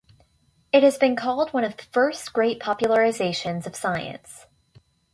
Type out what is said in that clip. It has been called one of the first great popularizations of science.